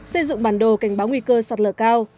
xây dựng bản đồ cảnh báo nguy cơ sạt lở cao